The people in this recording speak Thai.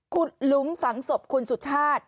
หลุมฝังศพคุณสุชาติ